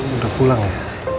udah pulang ya